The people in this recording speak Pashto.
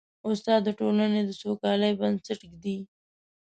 استاد د ټولنې د سوکالۍ بنسټ ږدي.